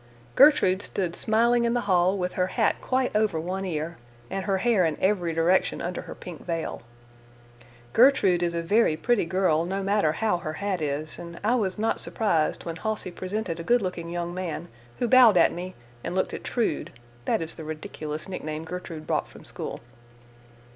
Gertrude stood smiling in the hall, with her hat quite over one ear, and her hair in every direction under her pink veil. Gertrude is a very pretty girl, no matter how her hat is, and I was not surprised when Halsey presented a good looking young man, who bowed at me and looked at Trude—that is the ridiculous nickname Gertrude brought from school.